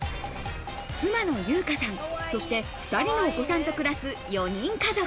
妻の友香さん、そして２人のお子さんと暮らす４人家族。